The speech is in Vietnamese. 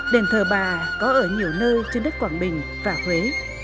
đền thờ bà có ở nhiều nơi trên đất quảng bình và huế